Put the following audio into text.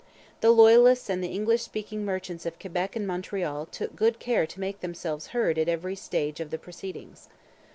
The Loyalists and the English speaking merchants of Quebec and Montreal took good care to make themselves heard at every stage of the proceedings.